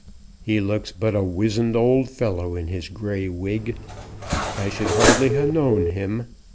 "He looks but a wizened old fellow in his grey wig. I should hardly ha' known him.